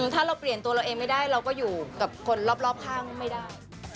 ถ้าเราเปลี่ยนตัวเราเองไม่ได้เราก็อยู่กับคนรอบข้างไม่ได้